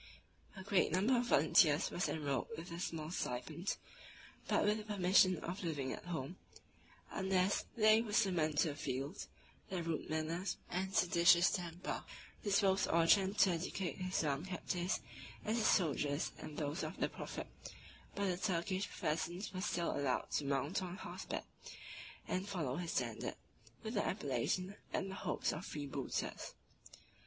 A great number of volunteers was enrolled with a small stipend, but with the permission of living at home, unless they were summoned to the field: their rude manners, and seditious temper, disposed Orchan to educate his young captives as his soldiers and those of the prophet; but the Turkish peasants were still allowed to mount on horseback, and follow his standard, with the appellation and the hopes of freebooters.